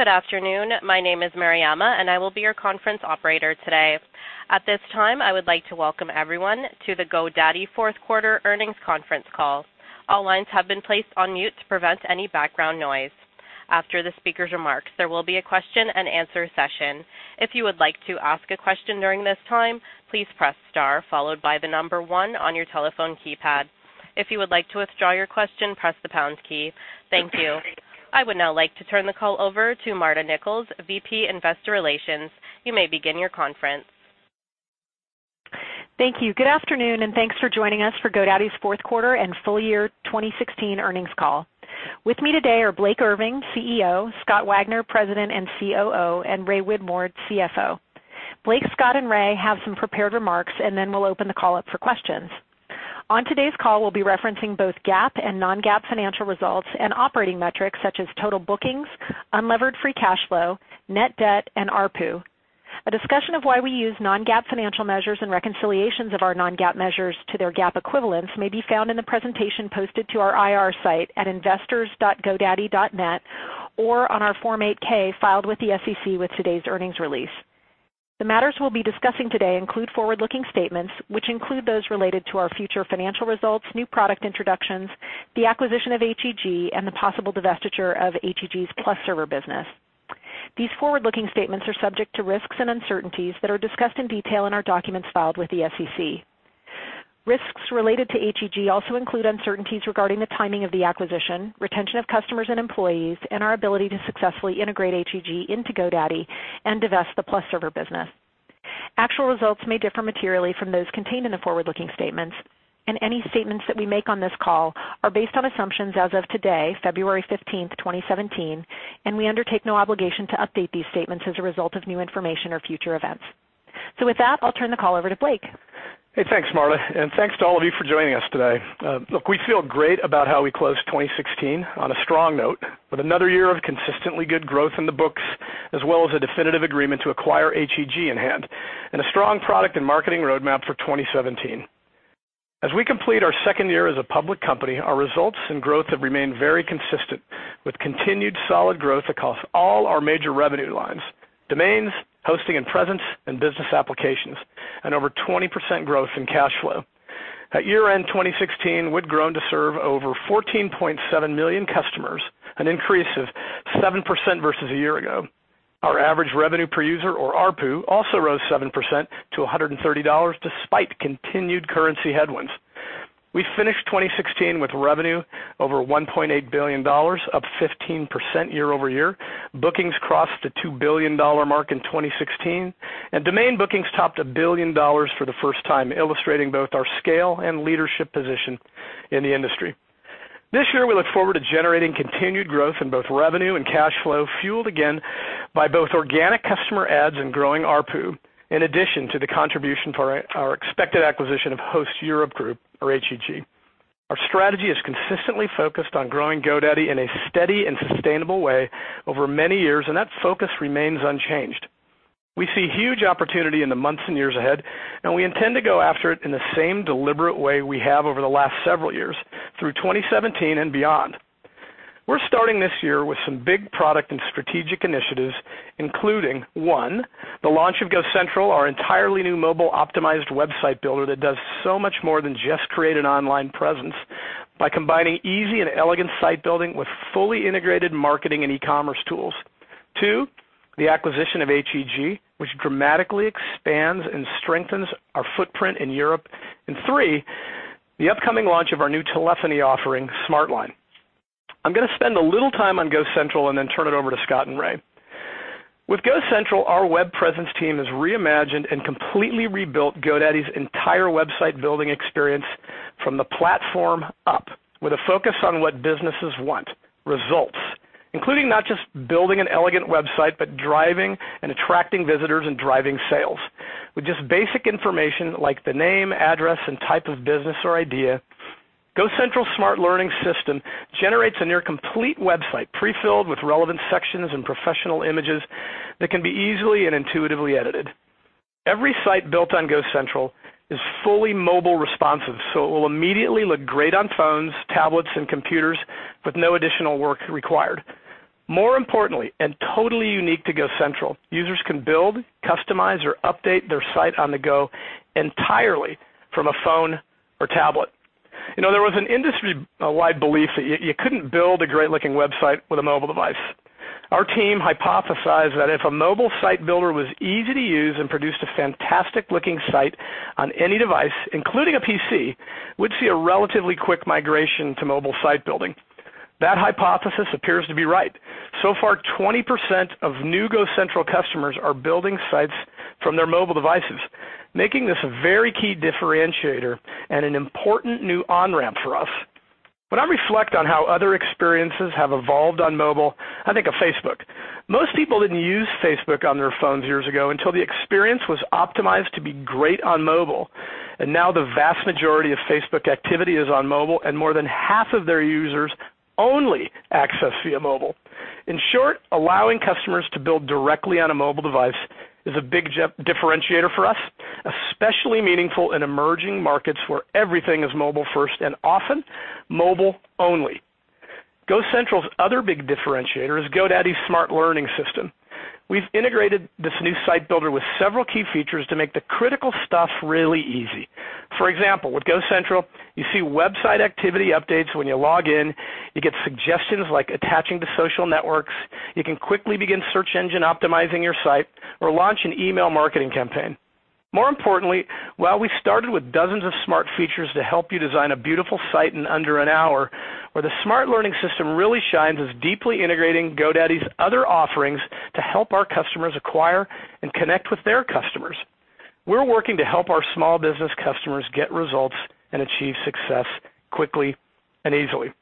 Good afternoon. My name is Mariama, and I will be your conference operator today. At this time, I would like to welcome everyone to the GoDaddy fourth quarter earnings conference call. All lines have been placed on mute to prevent any background noise. After the speaker's remarks, there will be a question and answer session. If you would like to ask a question during this time, please press star followed by the number one on your telephone keypad. If you would like to withdraw your question, press the pound key. Thank you. I would now like to turn the call over to Marta Nichols, VP Investor Relations. You may begin your conference. Thank you. Good afternoon, and thanks for joining us for GoDaddy's fourth quarter and full year 2016 earnings call. With me today are Blake Irving, CEO, Scott Wagner, President and COO, and Ray Winborne, CFO. Blake, Scott, and Ray have some prepared remarks, and then we'll open the call up for questions. On today's call, we'll be referencing both GAAP and non-GAAP financial results and operating metrics such as total bookings, unlevered free cash flow, net debt, and ARPU. A discussion of why we use non-GAAP financial measures and reconciliations of our non-GAAP measures to their GAAP equivalents may be found in the presentation posted to our IR site at investors.godaddy.net or on our Form 8-K filed with the SEC with today's earnings release. The matters we'll be discussing today include forward-looking statements, which include those related to our future financial results, new product introductions, the acquisition of HEG, and the possible divestiture of HEG's PlusServer business. These forward-looking statements are subject to risks and uncertainties that are discussed in detail in our documents filed with the SEC. Risks related to HEG also include uncertainties regarding the timing of the acquisition, retention of customers and employees, and our ability to successfully integrate HEG into GoDaddy and divest the PlusServer business. Actual results may differ materially from those contained in the forward-looking statements, and any statements that we make on this call are based on assumptions as of today, February 15th, 2017, and we undertake no obligation to update these statements as a result of new information or future events. With that, I'll turn the call over to Blake. Thanks, Marta, and thanks to all of you for joining us today. We feel great about how we closed 2016 on a strong note. With another year of consistently good growth in the books, as well as a definitive agreement to acquire HEG in hand, and a strong product and marketing roadmap for 2017. As we complete our second year as a public company, our results and growth have remained very consistent with continued solid growth across all our major revenue lines, domains, hosting and presence, and business applications, and over 20% growth in cash flow. At year-end 2016, we'd grown to serve over 14.7 million customers, an increase of 7% versus a year ago. Our average revenue per user, or ARPU, also rose 7% to $130, despite continued currency headwinds. We finished 2016 with revenue over $1.8 billion, up 15% year-over-year. Bookings crossed the $2 billion mark in 2016. Domain bookings topped $1 billion for the first time, illustrating both our scale and leadership position in the industry. This year, we look forward to generating continued growth in both revenue and cash flow, fueled again by both organic customer adds and growing ARPU, in addition to the contribution for our expected acquisition of Host Europe Group, or HEG. Our strategy is consistently focused on growing GoDaddy in a steady and sustainable way over many years. That focus remains unchanged. We see huge opportunity in the months and years ahead. We intend to go after it in the same deliberate way we have over the last several years, through 2017 and beyond. We're starting this year with some big product and strategic initiatives, including, one, the launch of GoCentral, our entirely new mobile-optimized website builder that does so much more than just create an online presence by combining easy and elegant site building with fully integrated marketing and e-commerce tools. Two, the acquisition of HEG, which dramatically expands and strengthens our footprint in Europe. Three, the upcoming launch of our new telephony offering, SmartLine. I'm going to spend a little time on GoCentral and then turn it over to Scott and Ray. With GoCentral, our web presence team has reimagined and completely rebuilt GoDaddy's entire website-building experience from the platform up, with a focus on what businesses want, results, including not just building an elegant website, but driving and attracting visitors and driving sales. With just basic information like the name, address, and type of business or idea, GoCentral's smart learning system generates a near-complete website prefilled with relevant sections and professional images that can be easily and intuitively edited. Every site built on GoCentral is fully mobile responsive, so it will immediately look great on phones, tablets, and computers with no additional work required. More importantly, and totally unique to GoCentral, users can build, customize, or update their site on the go entirely from a phone or tablet. There was an industry-wide belief that you couldn't build a great-looking website with a mobile device. Our team hypothesized that if a mobile site builder was easy to use and produced a fantastic-looking site on any device, including a PC, we'd see a relatively quick migration to mobile site building. That hypothesis appears to be right. So far, 20% of new GoCentral customers are building sites from their mobile devices, making this a very key differentiator and an important new on-ramp for us. When I reflect on how other experiences have evolved on mobile, I think of Facebook. Most people didn't use Facebook on their phones years ago until the experience was optimized to be great on mobile. Now the vast majority of Facebook activity is on mobile. More than half of their users only access via mobile. In short, allowing customers to build directly on a mobile device is a big differentiator for us, especially meaningful in emerging markets where everything is mobile first and often mobile only. GoCentral's other big differentiator is GoDaddy's smart learning system. We've integrated this new site builder with several key features to make the critical stuff really easy. For example, with GoCentral, you see website activity updates when you log in, you get suggestions like attaching to social networks, you can quickly begin search engine optimizing your site or launch an email marketing campaign. More importantly, while we started with dozens of smart features to help you design a beautiful site in under an hour, where the smart learning system really shines is deeply integrating GoDaddy's other offerings to help our customers acquire and connect with their customers. We're working to help our small business customers get results and achieve success quickly and easily.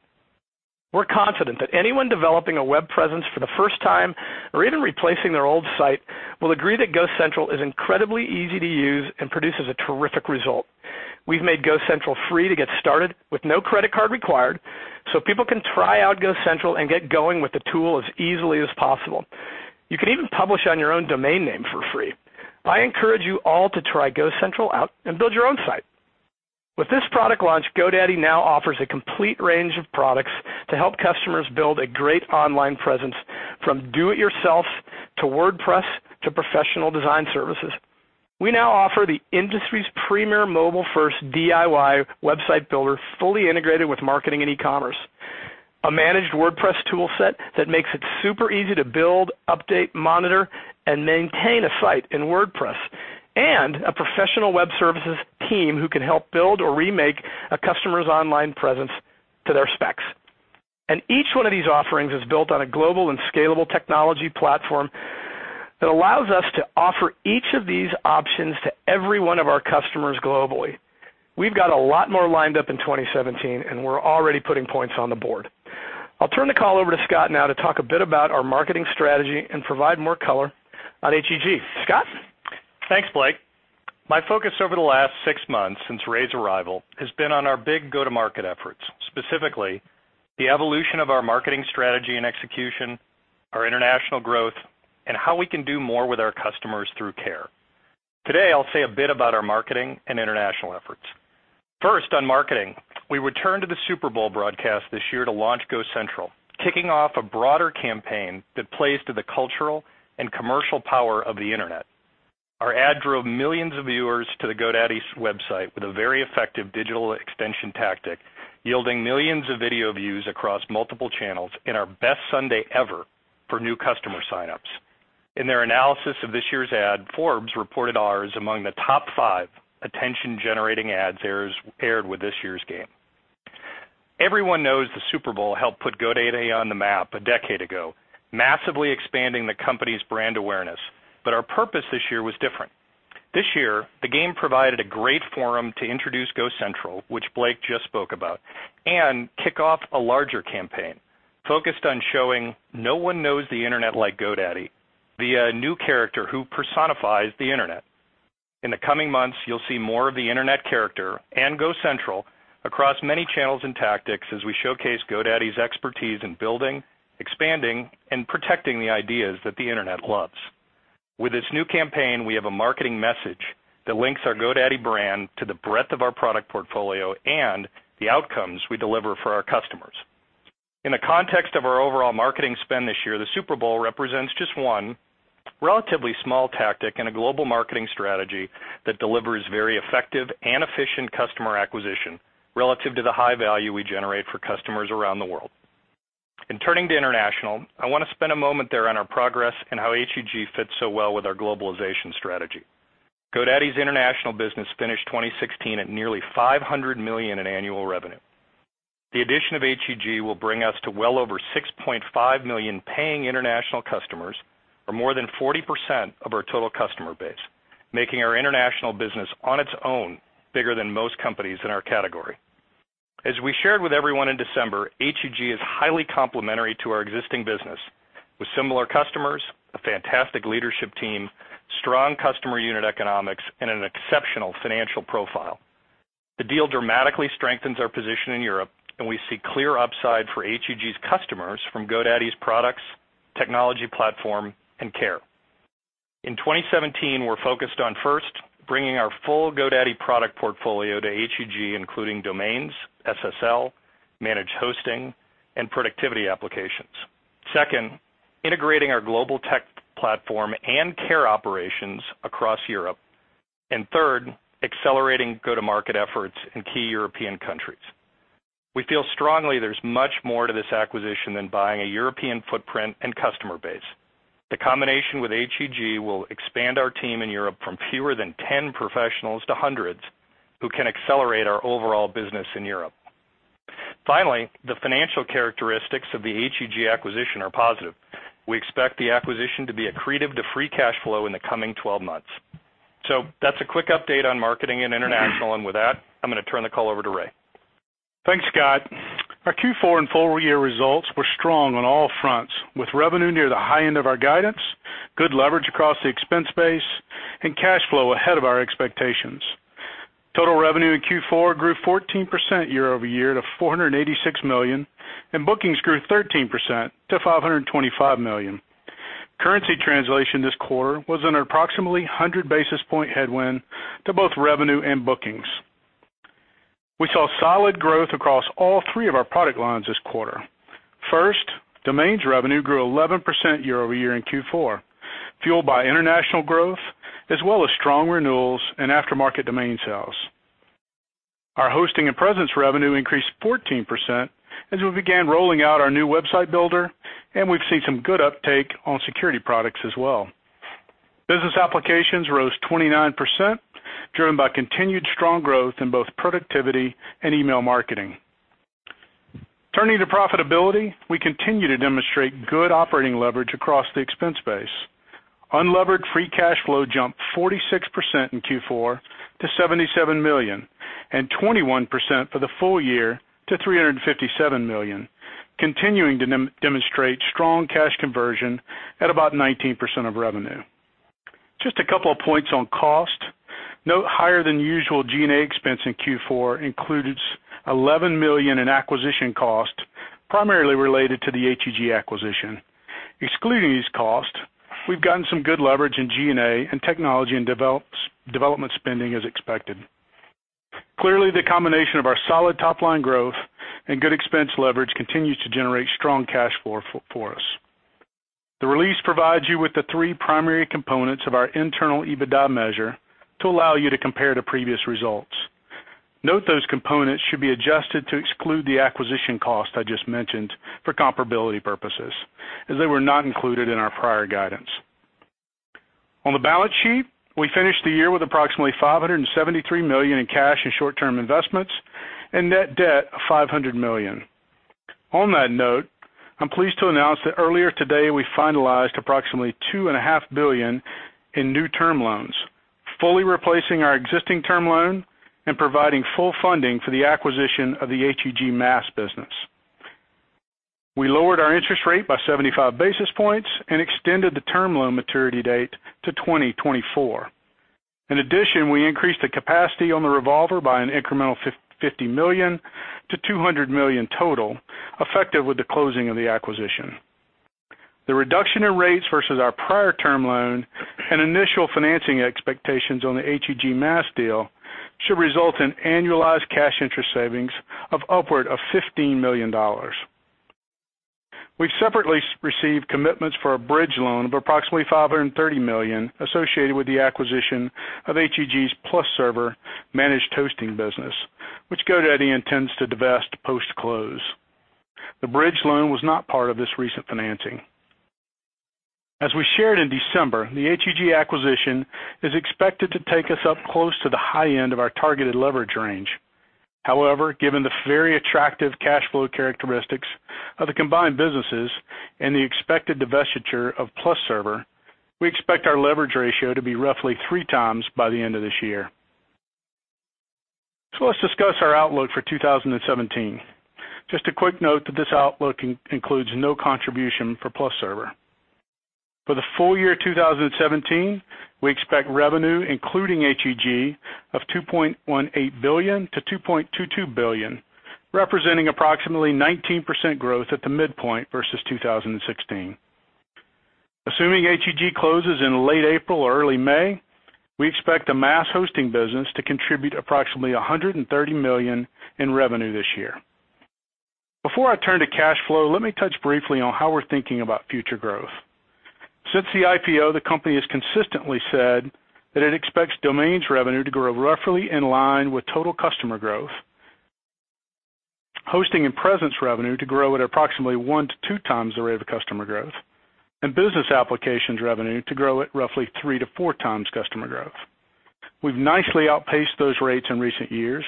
We're confident that anyone developing a web presence for the first time, or even replacing their old site, will agree that GoCentral is incredibly easy to use and produces a terrific result. We've made GoCentral free to get started with no credit card required, people can try out GoCentral and get going with the tool as easily as possible. You can even publish on your own domain name for free. I encourage you all to try GoCentral out and build your own site. With this product launch, GoDaddy now offers a complete range of products to help customers build a great online presence, from do it yourself, to WordPress, to professional design services. We now offer the industry's premier mobile-first DIY website builder fully integrated with marketing and e-commerce, a managed WordPress toolset that makes it super easy to build, update, monitor, and maintain a site in WordPress, and a professional web services team who can help build or remake a customer's online presence to their specs. Each one of these offerings is built on a global and scalable technology platform that allows us to offer each of these options to every one of our customers globally. We've got a lot more lined up in 2017, we're already putting points on the board. I'll turn the call over to Scott now to talk a bit about our marketing strategy and provide more color on HEG. Scott? Thanks, Blake. My focus over the last six months since Ray's arrival has been on our big go-to-market efforts, specifically the evolution of our marketing strategy and execution, our international growth, and how we can do more with our customers through care. Today, I'll say a bit about our marketing and international efforts. First, on marketing, we returned to the Super Bowl broadcast this year to launch GoCentral, kicking off a broader campaign that plays to the cultural and commercial power of the Internet. Our ad drove millions of viewers to the GoDaddy's website with a very effective digital extension tactic, yielding millions of video views across multiple channels and our best Sunday ever for new customer sign-ups. In their analysis of this year's ad, Forbes reported ours among the top five attention-generating ads aired with this year's game. Everyone knows the Super Bowl helped put GoDaddy on the map a decade ago, massively expanding the company's brand awareness. Our purpose this year was different. This year, the game provided a great forum to introduce GoCentral, which Blake just spoke about, and kick off a larger campaign focused on showing no one knows the Internet like GoDaddy, the new character who personifies the Internet. In the coming months, you will see more of the Internet character and GoCentral across many channels and tactics as we showcase GoDaddy's expertise in building, expanding, and protecting the ideas that the Internet loves. With this new campaign, we have a marketing message that links our GoDaddy brand to the breadth of our product portfolio and the outcomes we deliver for our customers. In the context of our overall marketing spend this year, the Super Bowl represents just one relatively small tactic in a global marketing strategy that delivers very effective and efficient customer acquisition relative to the high value we generate for customers around the world. In turning to international, I want to spend a moment there on our progress and how HEG fits so well with our globalization strategy. GoDaddy's international business finished 2016 at nearly $500 million in annual revenue. The addition of HEG will bring us to well over 6.5 million paying international customers, or more than 40% of our total customer base, making our international business on its own bigger than most companies in our category. As we shared with everyone in December, HEG is highly complementary to our existing business, with similar customers, a fantastic leadership team, strong customer unit economics, and an exceptional financial profile. The deal dramatically strengthens our position in Europe, and we see clear upside for HEG's customers from GoDaddy's products, technology platform, and care. In 2017, we are focused on, first, bringing our full GoDaddy product portfolio to HEG, including domains, SSL, managed hosting, and productivity applications. Second, integrating our global tech platform and care operations across Europe. Third, accelerating go-to-market efforts in key European countries. We feel strongly there is much more to this acquisition than buying a European footprint and customer base. The combination with HEG will expand our team in Europe from fewer than 10 professionals to hundreds, who can accelerate our overall business in Europe. Finally, the financial characteristics of the HEG acquisition are positive. We expect the acquisition to be accretive to free cash flow in the coming 12 months. That is a quick update on marketing and international, and with that, I am going to turn the call over to Ray. Thanks, Scott. Our Q4 and full year results were strong on all fronts, with revenue near the high end of our guidance, good leverage across the expense base, and cash flow ahead of our expectations Total revenue in Q4 grew 14% year-over-year to $486 million. Bookings grew 13% to $525 million. Currency translation this quarter was an approximately 100 basis points headwind to both revenue and bookings. We saw solid growth across all three of our product lines this quarter. First, domains revenue grew 11% year-over-year in Q4, fueled by international growth, as well as strong renewals and aftermarket domain sales. Our hosting and presence revenue increased 14% as we began rolling out our new website builder, and we've seen some good uptake on security products as well. Business applications rose 29%, driven by continued strong growth in both productivity and email marketing. Turning to profitability, we continue to demonstrate good operating leverage across the expense base. Unlevered free cash flow jumped 46% in Q4 to $77 million, 21% for the full year to $357 million, continuing to demonstrate strong cash conversion at about 19% of revenue. Just a couple of points on cost. Note, higher-than-usual G&A expense in Q4 included $11 million in acquisition cost, primarily related to the HEG acquisition. Excluding these costs, we've gotten some good leverage in G&A and technology and development spending as expected. Clearly, the combination of our solid top-line growth and good expense leverage continues to generate strong cash flow for us. The release provides you with the three primary components of our internal EBITDA measure to allow you to compare to previous results. Note, those components should be adjusted to exclude the acquisition cost I just mentioned for comparability purposes, as they were not included in our prior guidance. On the balance sheet, we finished the year with approximately $573 million in cash and short-term investments and net debt of $500 million. On that note, I'm pleased to announce that earlier today, we finalized approximately $2.5 billion in new term loans, fully replacing our existing term loan and providing full funding for the acquisition of the HEG Mass business. We lowered our interest rate by 75 basis points and extended the term loan maturity date to 2024. We increased the capacity on the revolver by an incremental $50 million to $200 million total, effective with the closing of the acquisition. The reduction in rates versus our prior term loan and initial financing expectations on the HEG Mass deal should result in annualized cash interest savings of upward of $15 million. We've separately received commitments for a bridge loan of approximately $530 million associated with the acquisition of HEG's PlusServer managed hosting business, which GoDaddy intends to divest post-close. The bridge loan was not part of this recent financing. As we shared in December, the HEG acquisition is expected to take us up close to the high end of our targeted leverage range. However, given the very attractive cash flow characteristics of the combined businesses and the expected divestiture of PlusServer, we expect our leverage ratio to be roughly three times by the end of this year. Let's discuss our outlook for 2017. Just a quick note that this outlook includes no contribution for PlusServer. For the full year 2017, we expect revenue, including HEG, of $2.18 billion-$2.22 billion, representing approximately 19% growth at the midpoint versus 2016. Assuming HEG closes in late April or early May, we expect the HEG Mass business to contribute approximately $130 million in revenue this year. Before I turn to cash flow, let me touch briefly on how we're thinking about future growth. Since the IPO, the company has consistently said that it expects domains revenue to grow roughly in line with total customer growth, hosting and presence revenue to grow at approximately one to two times the rate of customer growth, and business applications revenue to grow at roughly three to four times customer growth. We've nicely outpaced those rates in recent years,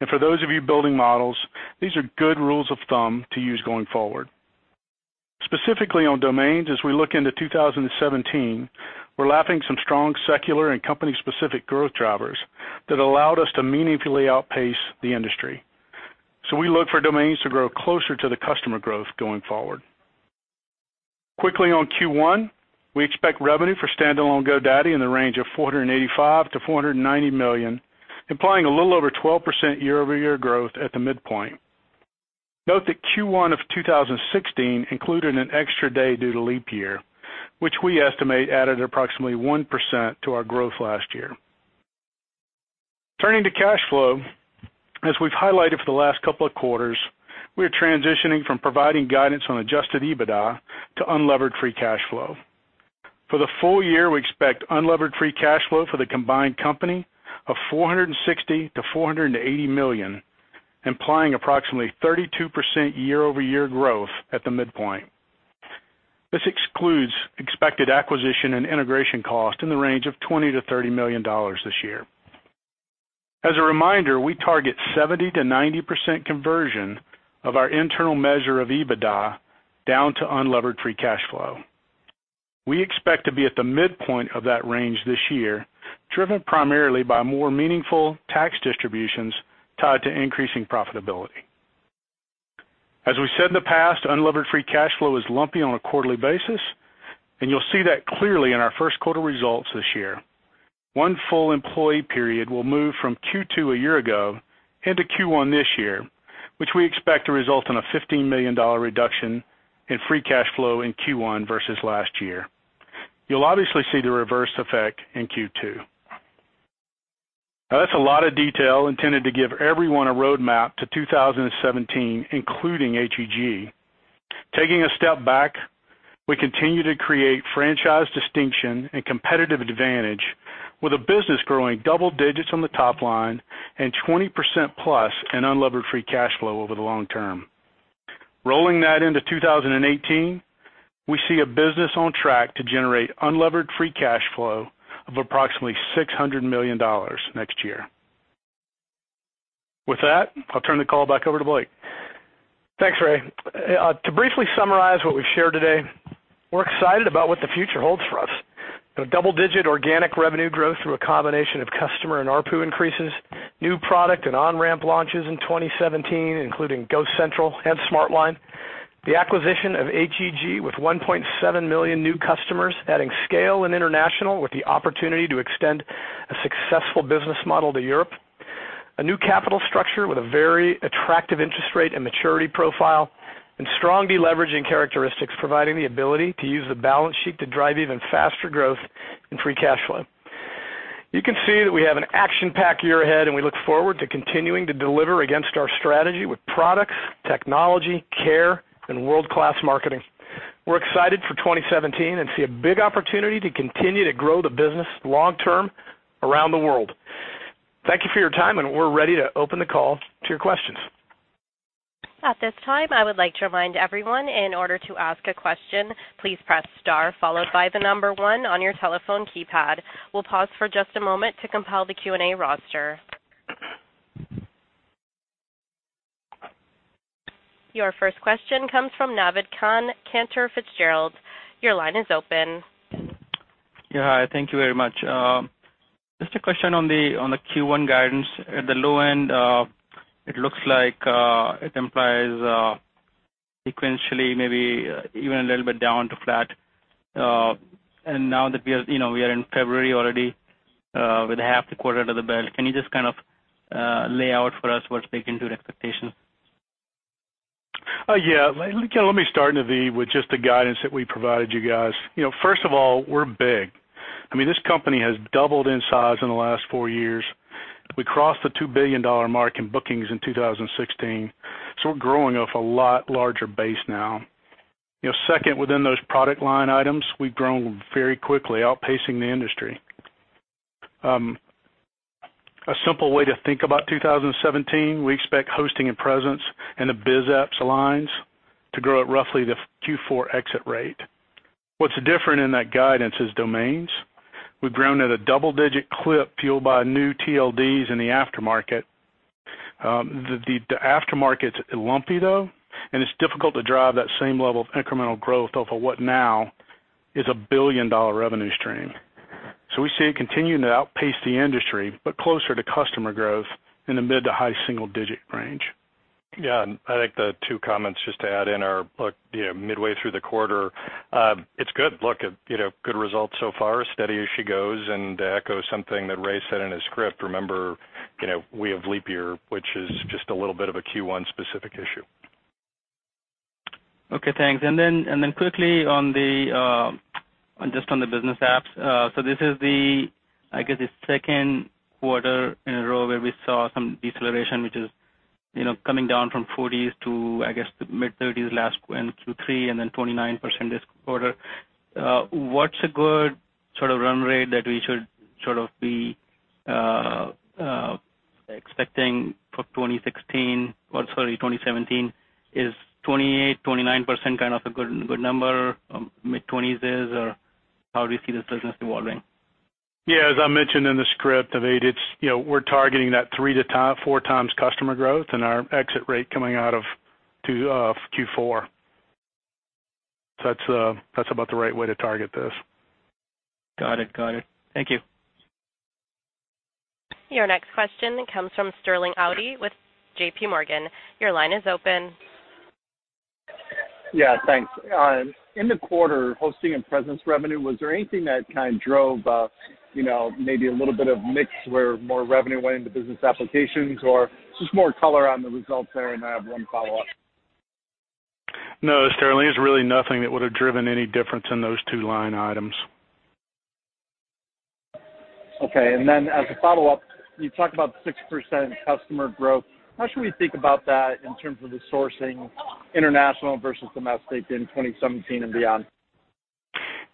and for those of you building models, these are good rules of thumb to use going forward. Specifically on domains, as we look into 2017, we're lapping some strong secular and company-specific growth drivers that allowed us to meaningfully outpace the industry. We look for domains to grow closer to the customer growth going forward. Quickly on Q1, we expect revenue for standalone GoDaddy in the range of $485 million-$490 million, implying a little over 12% year-over-year growth at the midpoint. Note that Q1 of 2016 included an extra day due to leap year, which we estimate added approximately 1% to our growth last year. Turning to cash flow, as we've highlighted for the last couple of quarters, we are transitioning from providing guidance on adjusted EBITDA to unlevered free cash flow. For the full year, we expect unlevered free cash flow for the combined company of $460 million-$480 million, implying approximately 32% year-over-year growth at the midpoint. This excludes expected acquisition and integration cost in the range of $20 million-$30 million this year. As a reminder, we target 70%-90% conversion of our internal measure of EBITDA down to unlevered free cash flow. We expect to be at the midpoint of that range this year, driven primarily by more meaningful tax distributions tied to increasing profitability. As we said in the past, unlevered free cash flow is lumpy on a quarterly basis, and you'll see that clearly in our first quarter results this year. One full employee period will move from Q2 a year ago into Q1 this year, which we expect to result in a $15 million reduction in free cash flow in Q1 versus last year. You'll obviously see the reverse effect in Q2. That's a lot of detail intended to give everyone a roadmap to 2017, including HEG. Taking a step back, we continue to create franchise distinction and competitive advantage with the business growing double digits on the top line and 20%+ in unlevered free cash flow over the long term. Rolling that into 2018, we see a business on track to generate unlevered free cash flow of approximately $600 million next year. With that, I'll turn the call back over to Blake. Thanks, Ray. To briefly summarize what we've shared today, we're excited about what the future holds for us. The double-digit organic revenue growth through a combination of customer and ARPU increases, new product and on-ramp launches in 2017, including GoCentral and SmartLine, the acquisition of HEG with 1.7 million new customers, adding scale and international with the opportunity to extend a successful business model to Europe. A new capital structure with a very attractive interest rate and maturity profile, strong de-leveraging characteristics, providing the ability to use the balance sheet to drive even faster growth and free cash flow. You can see that we have an action-packed year ahead, we look forward to continuing to deliver against our strategy with products, technology, care, and world-class marketing. We're excited for 2017 and see a big opportunity to continue to grow the business long term around the world. Thank you for your time, we're ready to open the call to your questions. At this time, I would like to remind everyone, in order to ask a question, please press star followed by the number one on your telephone keypad. We'll pause for just a moment to compile the Q&A roster. Your first question comes from Naved Khan, Cantor Fitzgerald. Your line is open. Yeah. Hi, thank you very much. Just a question on the Q1 guidance. At the low end, it looks like it implies sequentially, maybe even a little bit down to flat. Now that we are in February already, with half the quarter under the belt, can you just lay out for us what's baked into the expectation? Yeah. Let me start, Naved, with just the guidance that we provided you guys. First of all, we're big. This company has doubled in size in the last four years. We crossed the $2 billion mark in bookings in 2016. We're growing off a lot larger base now. Second, within those product line items, we've grown very quickly, outpacing the industry. A simple way to think about 2017, we expect hosting and presence in the biz apps lines to grow at roughly the Q4 exit rate. What's different in that guidance is domains. We've grown at a double-digit clip fueled by new TLDs in the aftermarket. The aftermarket's lumpy, though, and it's difficult to drive that same level of incremental growth off of what now is a billion-dollar revenue stream. We see it continuing to outpace the industry, but closer to customer growth in the mid to high single-digit range. I think the two comments just to add in are midway through the quarter. It's good. Look, good results so far. Steady as she goes, and to echo something that Ray said in his script, remember, we have leap year, which is just a little bit of a Q1 specific issue. Okay, thanks. Quickly just on the business apps. This is the, I guess, the second quarter in a row where we saw some deceleration, which is coming down from 40s to, I guess, the mid-30s last, went through 3, and then 29% this quarter. What's a good run rate that we should be expecting for 2016-- oh, sorry, 2017? Is 28%, 29% kind of a good number? Mid-20s is? How do you see this business evolving? Yeah, as I mentioned in the script, Naved, we're targeting that 3 to 4 times customer growth and our exit rate coming out of Q4. That's about the right way to target this. Got it. Thank you. Your next question comes from Sterling Auty with J.P. Morgan. Your line is open. Yeah, thanks. In the quarter, hosting and presence revenue, was there anything that kind of drove maybe a little bit of mix where more revenue went into business applications, or just more color on the results there, and I have one follow-up. No, Sterling, there's really nothing that would have driven any difference in those two line items. Okay. As a follow-up, you talked about 6% customer growth. How should we think about that in terms of the sourcing international versus domestic in 2017 and beyond?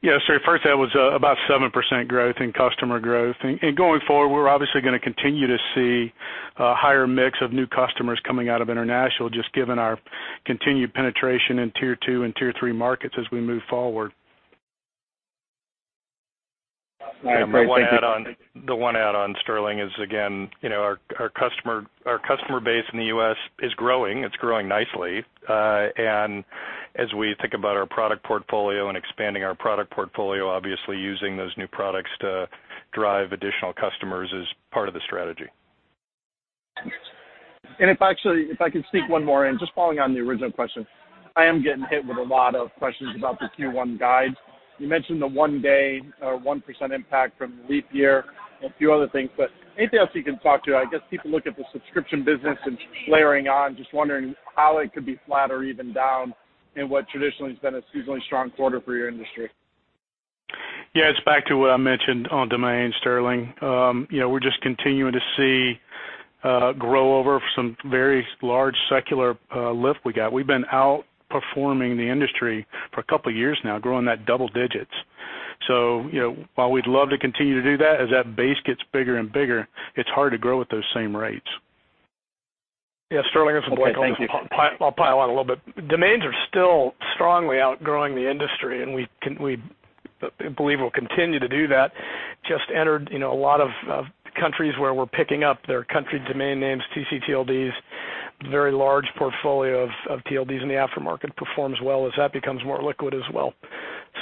Yeah, sorry, first that was about 7% growth in customer growth. Going forward, we're obviously going to continue to see a higher mix of new customers coming out of international, just given our continued penetration in tier 2 and tier 3 markets as we move forward. All right. Great. Thank you. The one add on, Sterling, is, again, our customer base in the U.S. is growing. It's growing nicely. As we think about our product portfolio and expanding our product portfolio, obviously using those new products to drive additional customers is part of the strategy. If actually, if I could sneak one more in, just following on the original question, I am getting hit with a lot of questions about the Q1 guide. You mentioned the one-day or 1% impact from Leap Year, a few other things, but anything else you can talk to? I guess people look at the subscription business and layering on, just wondering how it could be flat or even down in what traditionally has been a seasonally strong quarter for your industry. Yeah, it's back to what I mentioned on domain, Sterling. We're just continuing to see grow over some very large secular lift we got. We've been outperforming the industry for a couple of years now, growing that double digits. While we'd love to continue to do that, as that base gets bigger and bigger, it's hard to grow at those same rates. Yeah, Sterling, this is Blake. Okay, thank you. I'll pile on a little bit. Domains are still strongly outgrowing the industry, and we believe we'll continue to do that. Just entered a lot of countries where we're picking up their country domain names, ccTLDs, very large portfolio of TLDs in the after-market performs well as that becomes more liquid as well.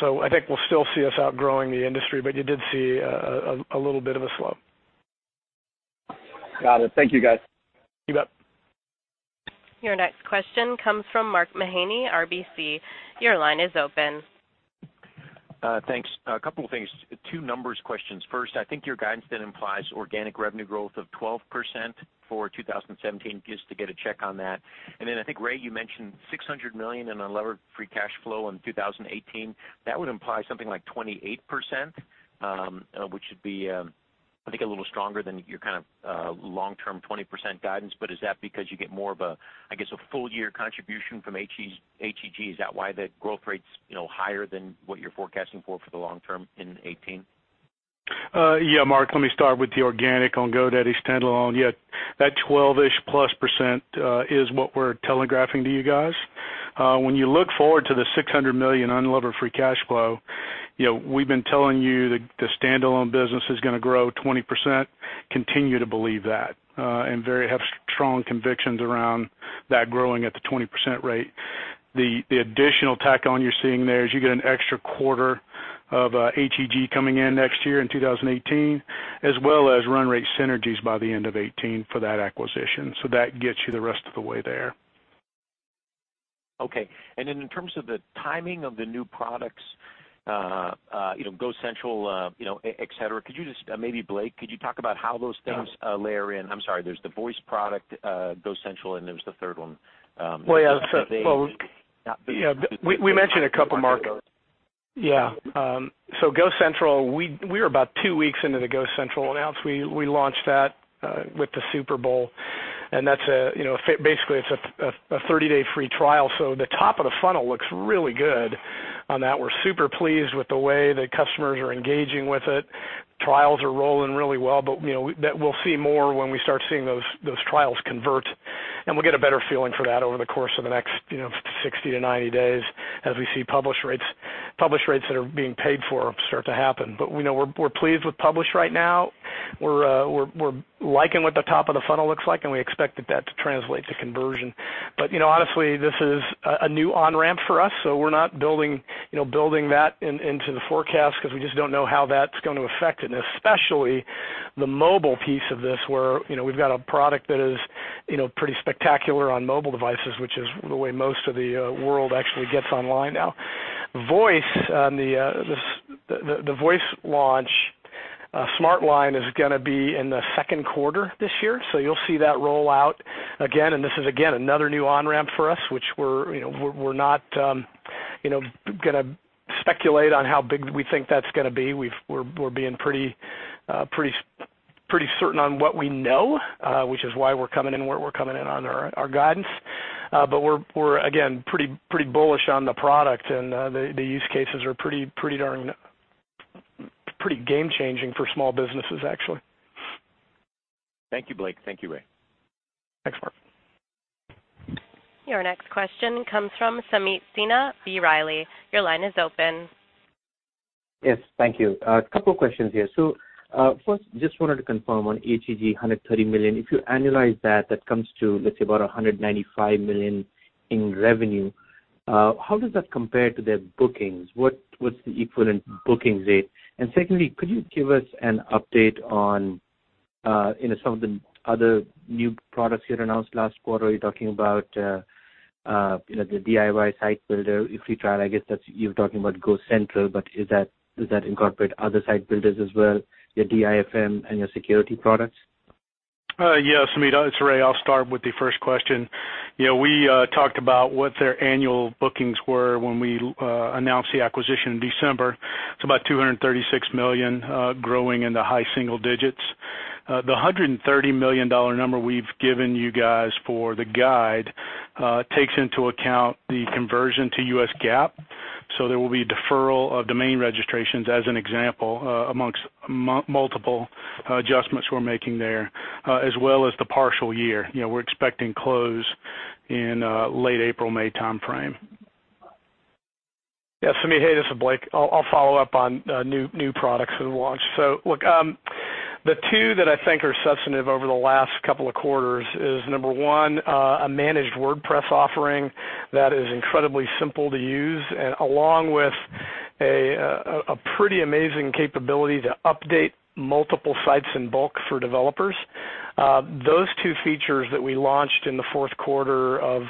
I think we'll still see us outgrowing the industry, but you did see a little bit of a slow. Got it. Thank you, guys. You bet. Your next question comes from Mark Mahaney, RBC. Your line is open. Thanks. A couple of things. Two numbers questions. First, I think your guidance then implies organic revenue growth of 12% for 2017, just to get a check on that. I think, Ray, you mentioned $600 million in unlevered free cash flow in 2018. That would imply something like 28%, which would be, I think a little stronger than your kind of long-term 20% guidance. Is that because you get more of a, I guess, a full-year contribution from HEG? Is that why the growth rate's higher than what you're forecasting for the long term in 2018? Yeah, Mark, let me start with the organic on GoDaddy standalone. Yeah, that twelve-ish plus %, is what we're telegraphing to you guys. When you look forward to the $600 million unlevered free cash flow, we've been telling you the standalone business is going to grow 20%, continue to believe that, and have strong convictions around that growing at the 20% rate. The additional tack on you're seeing there is you get an extra quarter of HEG coming in next year in 2018, as well as run rate synergies by the end of 2018 for that acquisition. That gets you the rest of the way there. Okay. Then in terms of the timing of the new products, GoCentral, et cetera, could you just, maybe Blake, could you talk about how those things layer in? I'm sorry, there's the voice product, GoCentral, and there was the third one. Well, yeah. We mentioned a couple, Mark. Yeah. GoCentral, we are about two weeks into the GoCentral announce. We launched that with the Super Bowl. Basically, it's a 30-day free trial, the top of the funnel looks really good on that. We're super pleased with the way the customers are engaging with it. Trials are rolling really well, we'll see more when we start seeing those trials convert, we'll get a better feeling for that over the course of the next 60 to 90 days as we see publish rates that are being paid for start to happen. We're pleased with publish right now. We're liking what the top of the funnel looks like, we expect that to translate to conversion. Honestly, this is a new on-ramp for us, we're not building that into the forecast because we just don't know how that's going to affect it, especially the mobile piece of this, where we've got a product that is pretty spectacular on mobile devices, which is the way most of the world actually gets online now. The voice launch, SmartLine, is going to be in the second quarter this year, you'll see that roll out. Again, this is, again, another new on-ramp for us, which we're not going to speculate on how big we think that's going to be. We're being pretty certain on what we know, which is why we're coming in where we're coming in on our guidance. We're, again, pretty bullish on the product, the use cases are pretty darn game-changing for small businesses, actually. Thank you, Blake. Thank you, Ray. Thanks, Mark. Your next question comes from Sameet Sinha, B. Riley. Your line is open. Yes, thank you. A couple of questions here. First, just wanted to confirm on HEG, $130 million. If you annualize that comes to, let's say, about $195 million in revenue. How does that compare to their bookings? What's the equivalent bookings rate? Secondly, could you give us an update on some of the other new products you had announced last quarter? You were talking about the DIY site builder, if we try, I guess, that you're talking about GoCentral, but does that incorporate other site builders as well, your DIFM and your security products? Yeah, Sameet, it's Ray. I'll start with the first question. We talked about what their annual bookings were when we announced the acquisition in December. It's about $236 million, growing in the high single digits. The $130 million number we've given you guys for the guide takes into account the conversion to U.S. GAAP. There will be deferral of domain registrations, as an example, amongst multiple adjustments we're making there, as well as the partial year. We're expecting close in late April, May timeframe. Yes, Sameet, hey, this is Blake. I'll follow up on new products that we launched. The two that I think are substantive over the last couple of quarters is, number 1, a managed WordPress offering that is incredibly simple to use, along with a pretty amazing capability to update multiple sites in bulk for developers. Those two features that we launched in the fourth quarter of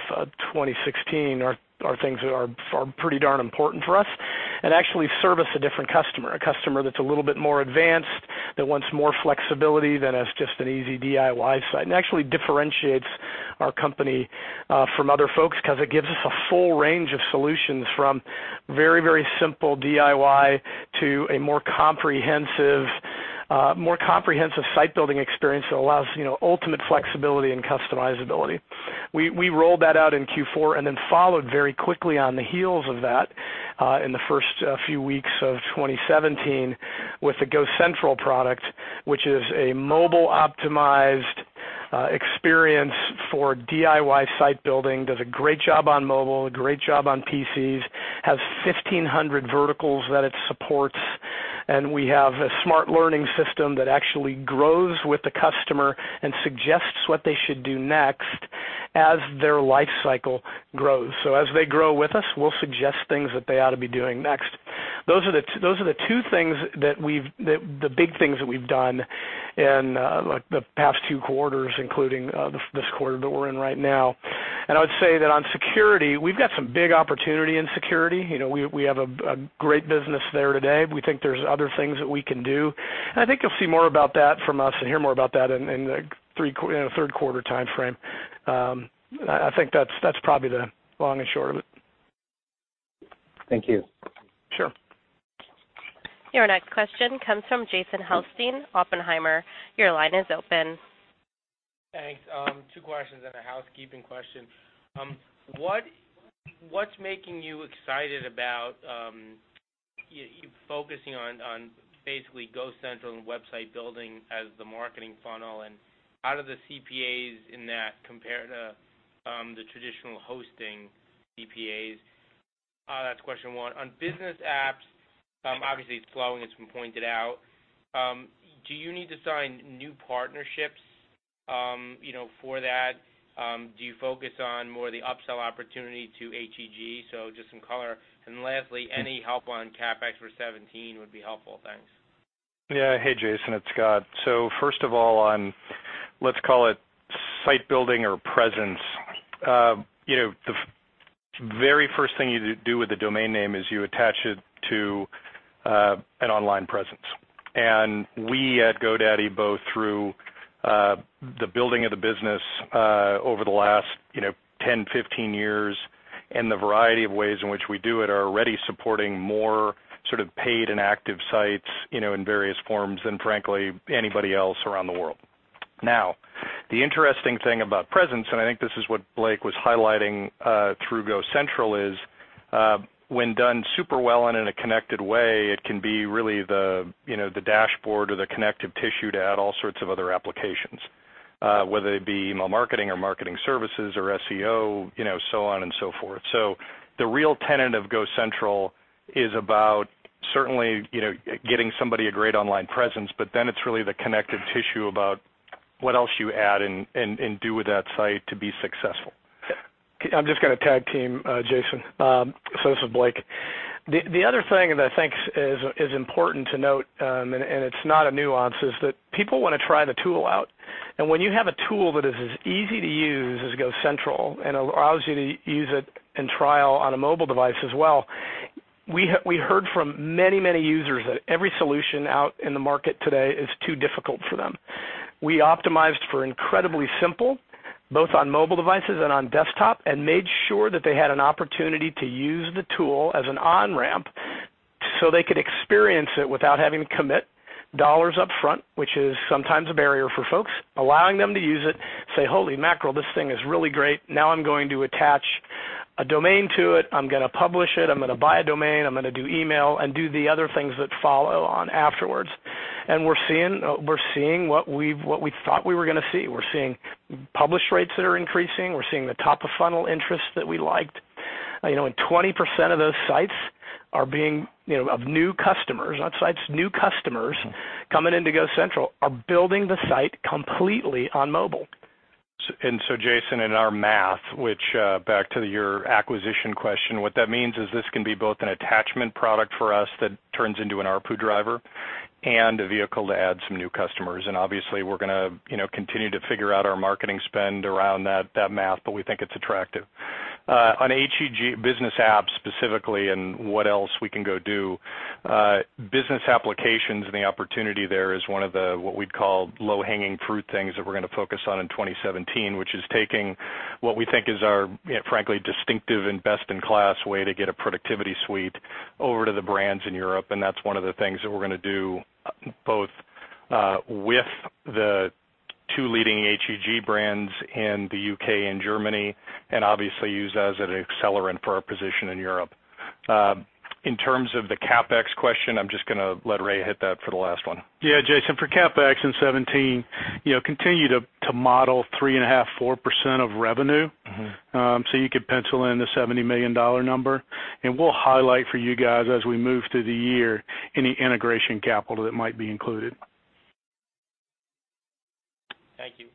2016 are things that are pretty darn important for us and actually service a different customer, a customer that's a little bit more advanced, that wants more flexibility than as just an easy DIY site, and actually differentiates our company from other folks because it gives us a full range of solutions from very simple DIY to a more comprehensive site building experience that allows ultimate flexibility and customizability. We rolled that out in Q4 and then followed very quickly on the heels of that, in the first few weeks of 2017, with the GoCentral product, which is a mobile-optimized experience for DIY site building, does a great job on mobile, a great job on PCs, has 1,500 verticals that it supports. We have a smart learning system that actually grows with the customer and suggests what they should do next as their life cycle grows. As they grow with us, we'll suggest things that they ought to be doing next. Those are the two big things that we've done in the past two quarters, including this quarter that we're in right now. I would say that on security, we've got some big opportunity in security. We have a great business there today. We think there's other things that we can do, I think you'll see more about that from us and hear more about that in the third quarter timeframe. I think that's probably the long and short of it. Thank you. Sure. Your next question comes from Jason Helfstein, Oppenheimer. Your line is open. Thanks. Two questions and a housekeeping question. What's making you excited about you focusing on basically GoCentral and website building as the marketing funnel, and how do the CPAs in that compare to the traditional hosting CPAs? That's question one. On business apps, obviously it's slowing, it's been pointed out. Do you need to sign new partnerships for that? Do you focus on more the upsell opportunity to HEG? Just some color. And lastly, any help on CapEx for 2017 would be helpful. Thanks. Hey, Jason, it's Scott. First of all, on, let's call it site building or presence. The very first thing you do with a domain name is you attach it to an online presence. We at GoDaddy, both through the building of the business, over the last 10, 15 years, and the variety of ways in which we do it, are already supporting more sort of paid and active sites in various forms than, frankly, anybody else around the world. Now, the interesting thing about presence, and I think this is what Blake was highlighting, through GoCentral, is when done super well and in a connected way, it can be really the dashboard or the connective tissue to add all sorts of other applications, whether it be email marketing or marketing services or SEO, so on and so forth. The real tenet of GoCentral is about certainly getting somebody a great online presence, but then it's really the connective tissue about what else you add and do with that site to be successful. I'm just going to tag team, Jason. This is Blake. The other thing that I think is important to note, and it's not a nuance, is that people want to try the tool out. When you have a tool that is as easy to use as GoCentral and allows you to use it in trial on a mobile device as well, we heard from many users that every solution out in the market today is too difficult for them. We optimized for incredibly simple, both on mobile devices and on desktop, and made sure that they had an opportunity to use the tool as an on-ramp so they could experience it without having to commit dollars up front, which is sometimes a barrier for folks, allowing them to use it, say, "Holy mackerel, this thing is really great. Now I'm going to attach a domain to it. I'm going to publish it. I'm going to buy a domain. I'm going to do email and do the other things that follow on afterwards." We're seeing what we thought we were going to see. We're seeing publish rates that are increasing. We're seeing the top of funnel interest that we liked. 20% of those sites of new customers, not sites, new customers, coming into GoCentral are building the site completely on mobile. Jason, in our math, which back to your acquisition question, what that means is this can be both an attachment product for us that turns into an ARPU driver and a vehicle to add some new customers. Obviously, we're going to continue to figure out our marketing spend around that math, but we think it's attractive. On HEG business apps specifically and what else we can go do, business applications and the opportunity there is one of the, what we'd call low-hanging fruit things that we're going to focus on in 2017, which is taking what we think is our, frankly, distinctive and best-in-class way to get a productivity suite over to the brands in Europe. That's one of the things that we're going to do, both with the two leading HEG brands in the U.K. and Germany, and obviously use that as an accelerant for our position in Europe. In terms of the CapEx question, I'm just going to let Ray hit that for the last one. Yeah, Jason, for CapEx in 2017, continue to model 3.5%-4% of revenue. You could pencil in the $70 million number, and we'll highlight for you guys as we move through the year any integration capital that might be included. Thank you.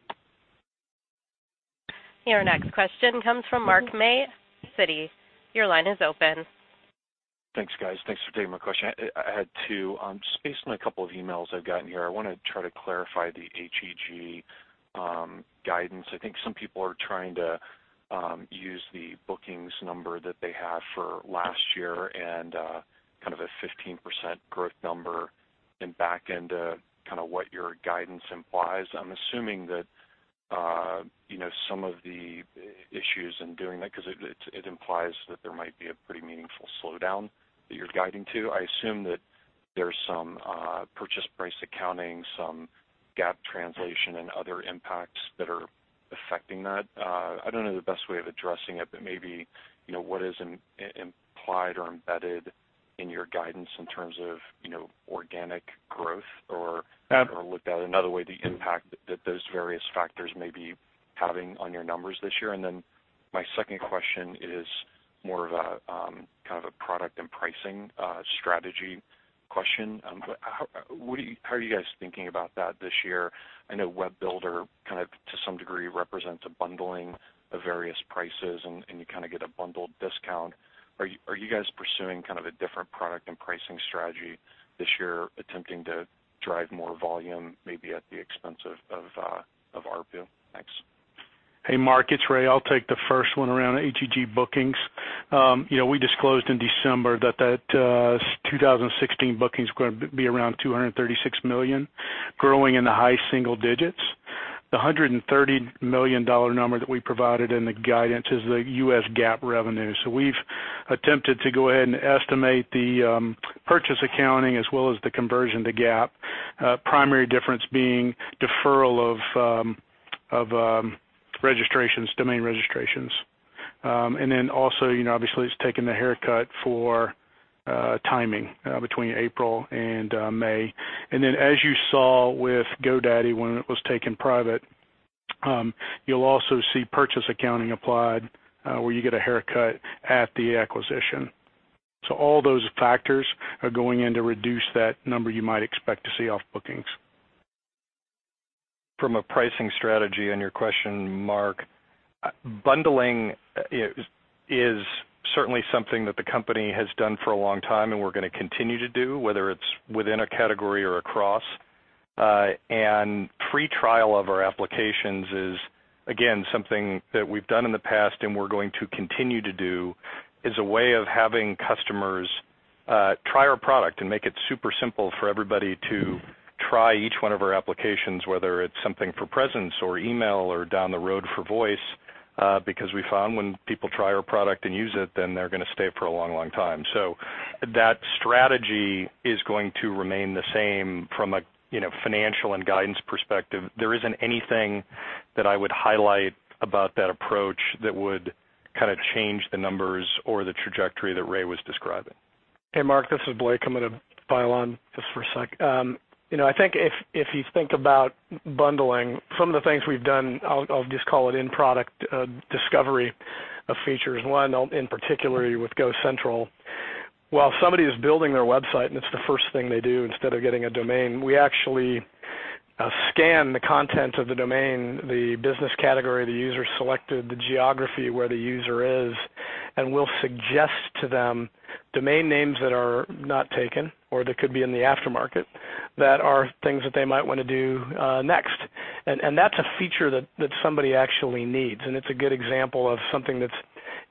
Your next question comes from Mark May, Citi. Your line is open. Thanks, guys. Thanks for taking my question. I had two. Just based on a couple of emails I've gotten here, I want to try to clarify the HEG guidance. I think some people are trying to use the bookings number that they had for last year and kind of a 15% growth number and back into kind of what your guidance implies. I'm assuming that, some of the issues in doing that, because it implies that there might be a pretty meaningful slowdown that you're guiding to. I assume that there's some purchase price accounting, some GAAP translation, and other impacts that are affecting that. I don't know the best way of addressing it, but maybe, what is implied or embedded in your guidance in terms of organic growth or- Ab- -looked at another way, the impact that those various factors may be having on your numbers this year. My second question is more of a kind of a product and pricing strategy question. How are you guys thinking about that this year? I know WebBuilder kind of to some degree, represents a bundling of various prices, and you kind of get a bundled discount. Are you guys pursuing kind of a different product and pricing strategy this year, attempting to drive more volume maybe at the expense of ARPU? Thanks. Hey, Mark, it's Ray. I'll take the first one around HEG bookings. We disclosed in December that 2016 bookings going to be around $236 million, growing in the high single digits. The $130 million number that we provided in the guidance is the U.S. GAAP revenue. We've attempted to go ahead and estimate the purchase accounting as well as the conversion to GAAP. Primary difference being deferral of domain registrations. Also, obviously, it's taking the haircut for timing between April and May. As you saw with GoDaddy when it was taken private, you'll also see purchase accounting applied, where you get a haircut at the acquisition. All those factors are going in to reduce that number you might expect to see off bookings. From a pricing strategy on your question, Mark, bundling is certainly something that the company has done for a long time, and we're going to continue to do, whether it's within a category or across. Free trial of our applications is, again, something that we've done in the past and we're going to continue to do as a way of having customers try our product and make it super simple for everybody to try each one of our applications, whether it's something for presence or email or down the road for voice, because we found when people try our product and use it, then they're going to stay for a long time. That strategy is going to remain the same from a financial and guidance perspective. There isn't anything that I would highlight about that approach that would kind of change the numbers or the trajectory that Ray was describing. Hey, Mark, this is Blake. I'm going to file on just for a sec. I think if you think about bundling some of the things we've done, I'll just call it in-product discovery of features. One, in particular, with GoCentral. While somebody is building their website, and it's the first thing they do, instead of getting a domain, we actually scan the content of the domain, the business category, the user selected, the geography where the user is, and we'll suggest to them domain names that are not taken or that could be in the aftermarket, that are things that they might want to do next. That's a feature that somebody actually needs, and it's a good example of something that's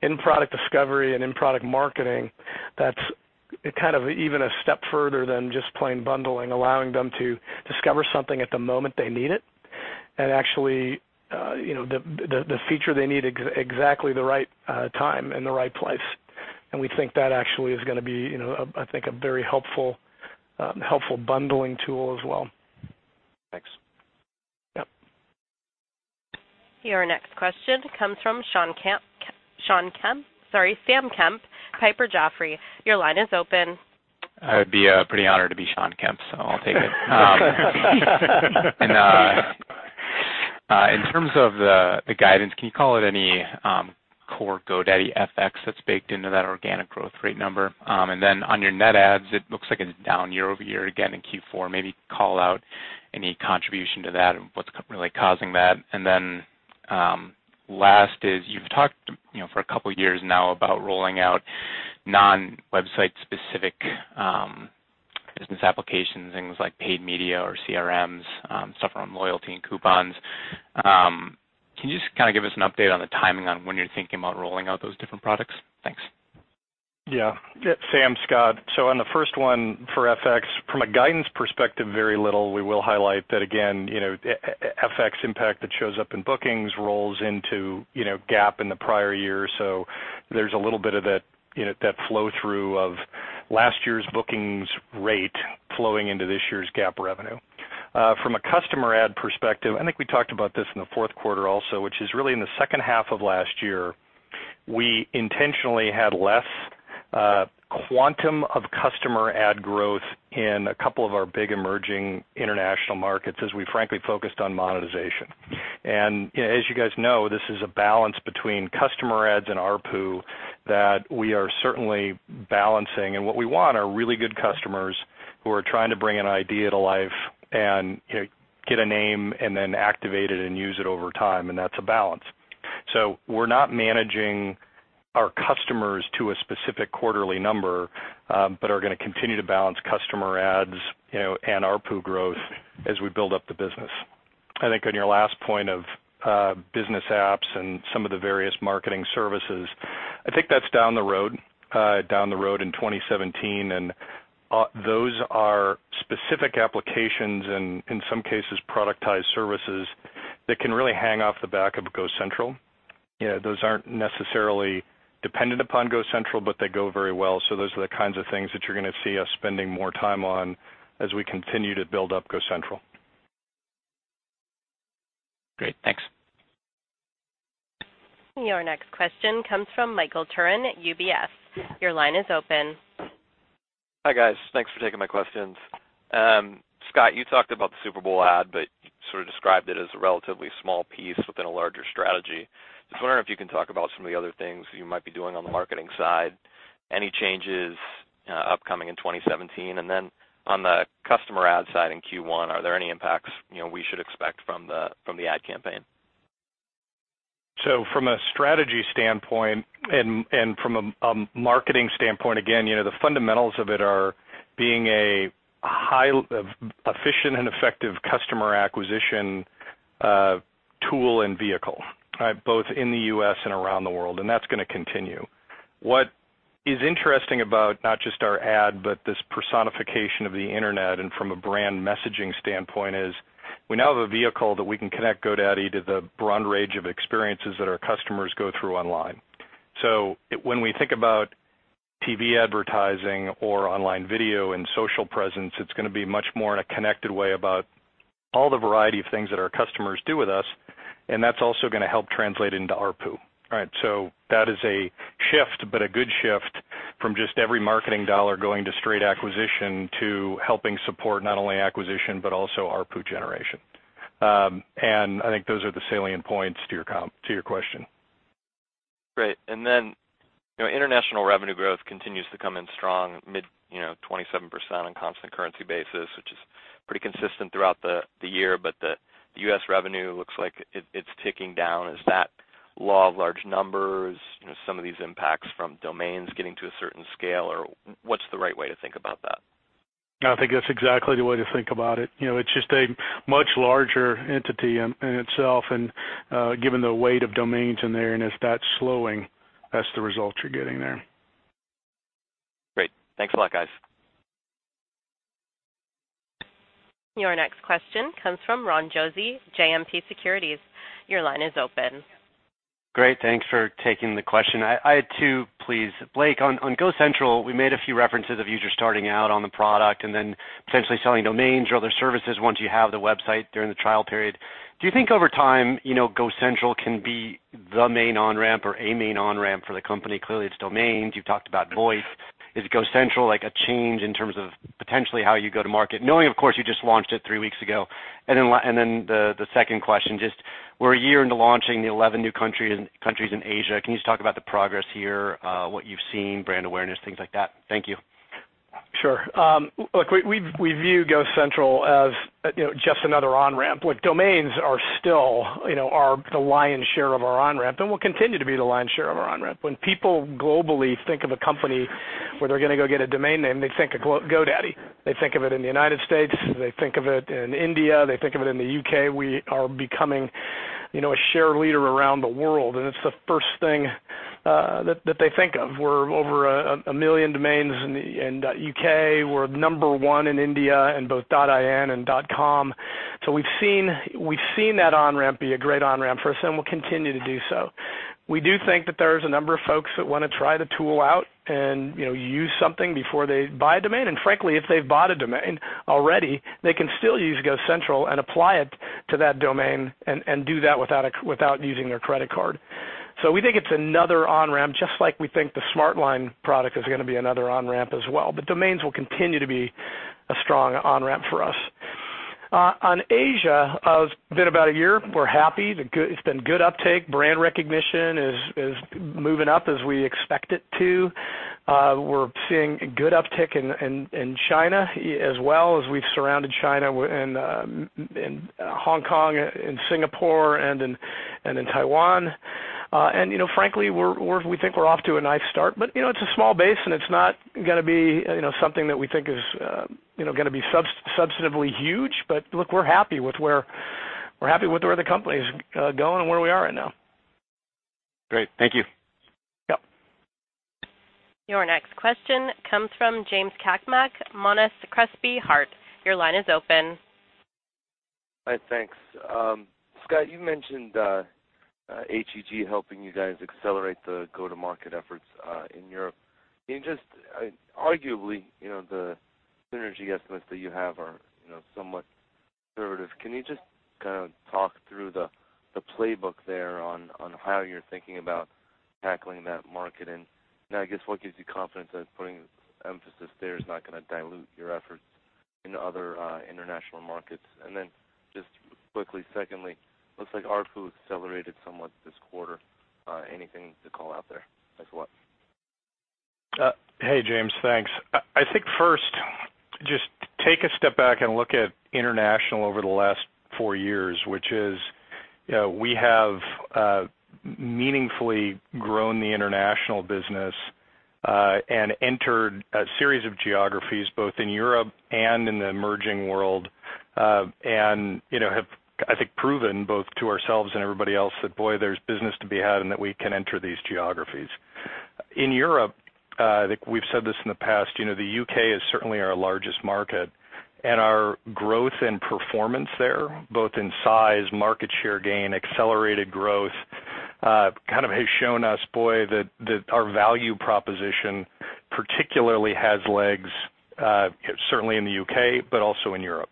in-product discovery and in-product marketing that's kind of even a step further than just plain bundling, allowing them to discover something at the moment they need it and actually the feature they need exactly the right time and the right place. We think that actually is going to be, I think, a very helpful bundling tool as well. Thanks. Yep. Your next question comes from Sam Kemp. Sorry, Sam Kemp, Piper Jaffray, your line is open. I'd be pretty honored to be Sam Kemp, so I'll take it. In terms of the guidance, can you call it any core GoDaddy FX that's baked into that organic growth rate number? On your net adds, it looks like it's down year-over-year again in Q4. Maybe call out any contribution to that and what's really causing that. Last is, you've talked for a couple of years now about rolling out non-website specific business applications, things like paid media or CRMs, stuff around loyalty and coupons. Can you just kind of give us an update on the timing on when you're thinking about rolling out those different products? Thanks. Yeah. Sam, Scott. On the first one for FX, from a guidance perspective, very little. We will highlight that again, FX impact that shows up in bookings rolls into GAAP in the prior year. There's a little bit of that flow-through of last year's bookings rate flowing into this year's GAAP revenue. From a customer add perspective, I think we talked about this in the fourth quarter also, which is really in the second half of last year. We intentionally had less quantum of customer add growth in a couple of our big emerging international markets as we frankly focused on monetization. As you guys know, this is a balance between customer adds and ARPU that we are certainly balancing, and what we want are really good customers who are trying to bring an idea to life and get a name and then activate it and use it over time, and that's a balance. We're not managing our customers to a specific quarterly number, but are going to continue to balance customer adds and ARPU growth as we build up the business. I think on your last point of business apps and some of the various marketing services, I think that's down the road in 2017. Those are specific applications and, in some cases, productized services that can really hang off the back of GoCentral. Those aren't necessarily dependent upon GoCentral, but they go very well. Those are the kinds of things that you're going to see us spending more time on as we continue to build up GoCentral. Great. Thanks. Your next question comes from Michael Turrin at UBS. Your line is open. Hi, guys. Thanks for taking my questions. Scott, you talked about the Super Bowl ad, you sort of described it as a relatively small piece within a larger strategy. Just wondering if you can talk about some of the other things you might be doing on the marketing side, any changes upcoming in 2017? On the customer add side in Q1, are there any impacts we should expect from the ad campaign? From a strategy standpoint and from a marketing standpoint, again, the fundamentals of it are being a high efficient and effective customer acquisition tool and vehicle, both in the U.S. and around the world, and that's going to continue. What is interesting about not just our ad, this personification of the internet and from a brand messaging standpoint, is we now have a vehicle that we can connect GoDaddy to the broad range of experiences that our customers go through online. When we think about TV advertising or online video and social presence, it's going to be much more in a connected way about all the variety of things that our customers do with us, and that's also going to help translate into ARPU, right? That is a shift, a good shift from just every marketing dollar going to straight acquisition to helping support not only acquisition, also ARPU generation. I think those are the salient points to your question. Great. International revenue growth continues to come in strong, mid 27% on constant currency basis, which is pretty consistent throughout the year. The U.S. revenue looks like it's ticking down. Is that law of large numbers, some of these impacts from domains getting to a certain scale, or what's the right way to think about that? I think that's exactly the way to think about it. It's just a much larger entity in itself, and given the weight of domains in there, and as that's slowing, that's the result you're getting there. Great. Thanks a lot, guys. Your next question comes from Ron Josey, JMP Securities. Your line is open. Great. Thanks for taking the question. I had two, please. Blake, on GoCentral, we made a few references of users starting out on the product and then potentially selling domains or other services once you have the website during the trial period. Do you think over time, GoCentral can be the main on-ramp or a main on-ramp for the company? Clearly, it's domains. You've talked about voice. Is GoCentral like a change in terms of potentially how you go to market, knowing, of course, you just launched it three weeks ago? The second question, just we're a year into launching the 11 new countries in Asia. Can you just talk about the progress here, what you've seen, brand awareness, things like that? Thank you. Sure. Look, we view GoCentral as just another on-ramp. Look, domains are still the lion's share of our on-ramp, and will continue to be the lion's share of our on-ramp. When people globally think of a company where they're going to go get a domain name, they think of GoDaddy. They think of it in the United States. They think of it in India. They think of it in the U.K. We are becoming a share leader around the world, and it's the first thing that they think of. We're over a million domains in .uk. We're number 1 in India in both .in and .com. We've seen that on-ramp be a great on-ramp for us, and we'll continue to do so. We do think that there's a number of folks that want to try the tool out and use something before they buy a domain. Frankly, if they've bought a domain already, they can still use GoCentral and apply it to that domain and do that without using their credit card. We think it's another on-ramp, just like we think the SmartLine product is going to be another on-ramp as well. Domains will continue to be a strong on-ramp for us. On Asia, it's been about a year. We're happy. It's been good uptake. Brand recognition is moving up as we expect it to. We're seeing good uptick in China, as well as we've surrounded China in Hong Kong, in Singapore, and in Taiwan. Frankly, we think we're off to a nice start. It's a small base, and it's not going to be something that we think is going to be substantively huge. Look, we're happy with where the company is going and where we are right now. Great. Thank you. Yep. Your next question comes from James Cakmak, Monness Crespi Hardt. Your line is open. Hi, thanks. Scott, you mentioned HEG helping you guys accelerate the go-to-market efforts in Europe. Arguably, the synergy estimates that you have are somewhat conservative. Can you just kind of talk through the playbook there on how you're thinking about tackling that market? I guess what gives you confidence that putting emphasis there is not going to dilute your efforts in other international markets? Then just quickly, secondly, looks like ARPU accelerated somewhat this quarter. Anything to call out there? Thanks a lot. Hey, James. Thanks. I think first, just take a step back and look at international over the last four years, which is, we have meaningfully grown the international business, entered a series of geographies, both in Europe and in the emerging world. Have, I think, proven both to ourselves and everybody else that, boy, there's business to be had, that we can enter these geographies. In Europe, I think we've said this in the past, the U.K. is certainly our largest market, our growth and performance there, both in size, market share gain, accelerated growth, kind of has shown us, boy, that our value proposition particularly has legs, certainly in the U.K., but also in Europe.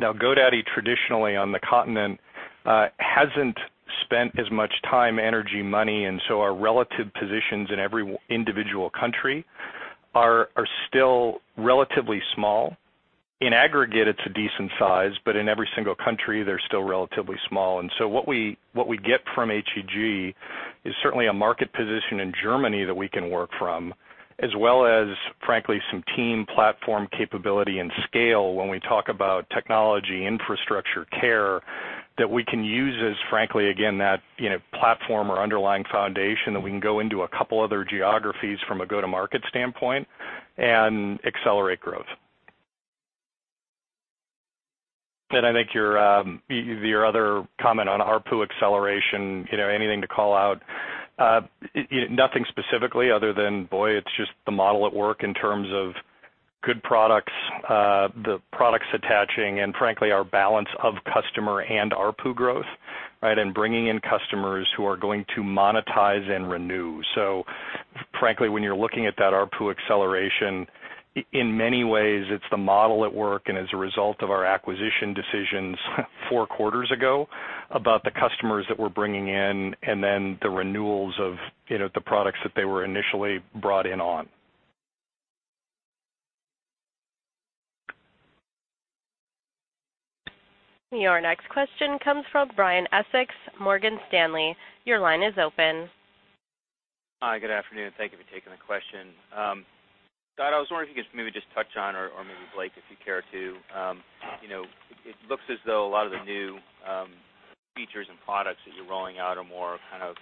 GoDaddy, traditionally on the continent, hasn't spent as much time, energy, money, so our relative positions in every individual country are still relatively small. In aggregate, it's a decent size, but in every single country, they're still relatively small. So what we get from HEG is certainly a market position in Germany that we can work from, as well as, frankly, some team platform capability and scale when we talk about technology, infrastructure, care, that we can use as, frankly, again, that platform or underlying foundation that we can go into a couple of other geographies from a go-to-market standpoint and accelerate growth. I think your other comment on ARPU acceleration, anything to call out? Nothing specifically other than, boy, it's just the model at work in terms of good products, the products attaching, and frankly, our balance of customer and ARPU growth, right? Bringing in customers who are going to monetize and renew. Frankly, when you're looking at that ARPU acceleration, in many ways, it's the model at work, and as a result of our acquisition decisions four quarters ago, about the customers that we're bringing in, and then the renewals of the products that they were initially brought in on. Your next question comes from Brian Essex, Morgan Stanley. Your line is open. Hi, good afternoon. Thank you for taking the question. Scott, I was wondering if you could maybe just touch on, or maybe Blake, if you care to. It looks as though a lot of the new features and products that you're rolling out are more kind of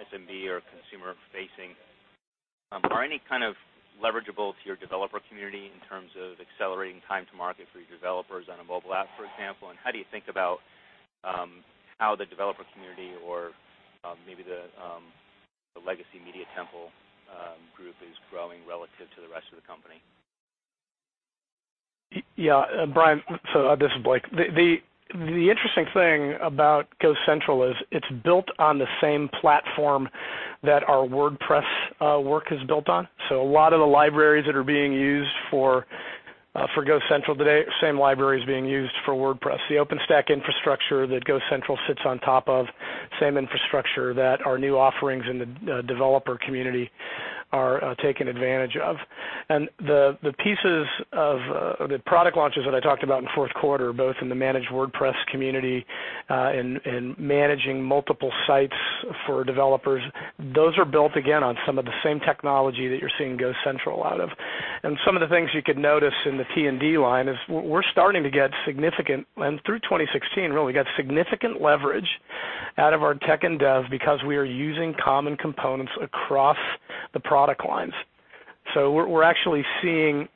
SMB or consumer-facing. Are any kind of leverageable to your developer community in terms of accelerating time to market for your developers on a mobile app, for example? How do you think about how the developer community or maybe the legacy Media Temple group is growing relative to the rest of the company? Yeah. Brian, so this is Blake. The interesting thing about GoCentral is it's built on the same platform that our WordPress work is built on. A lot of the libraries that are being used for GoCentral today, same library is being used for WordPress. The OpenStack infrastructure that GoCentral sits on top of, same infrastructure that our new offerings in the developer community are taking advantage of. The pieces of the product launches that I talked about in the fourth quarter, both in the managed WordPress community, and managing multiple sites for developers, those are built again on some of the same technology that you're seeing GoCentral out of. Some of the things you could notice in the T&D line is we're starting to get significant, and through 2016, really, we got significant leverage out of our tech and dev because we are using common components across the product lines. We're actually seeing